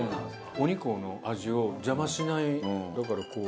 お肉の味を邪魔しないだからこう。